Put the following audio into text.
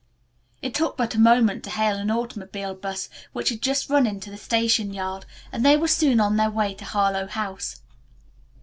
It took but a moment to hail an automobile bus which had just run into the station yard, and they were soon on their way to Harlowe House.